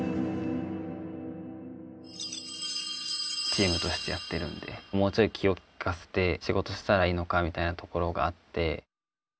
チームとしてやっているのでもうちょい気を利かせて仕事したらいいのかみたいなところがあって。